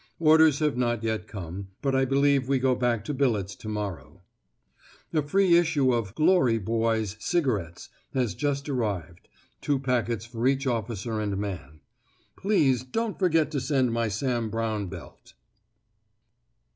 Orders have not yet come, but I believe we go back to billets to morrow. A free issue of 'Glory Boys' cigarettes has just arrived: two packets for each officer and man. Please don't forget to send my Sam Browne belt."